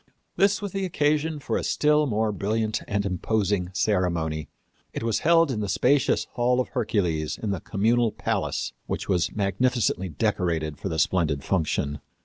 This was the occasion for a still more brilliant and imposing ceremony. It was held in the spacious Hall of Hercules in the Communal Palace, which was magnificently decorated for the splendid function.